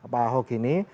pak ahok ini